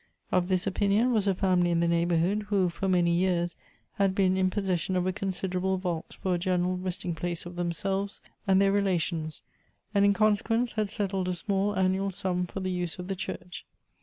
Of this opinion was a family in the neighborhood, who for many years had been in possession of a considerable vault for a general resting place of themselves and their relations, and in consequence had settled a small annual sum for the use of the church.